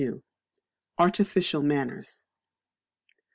Artificial Manners.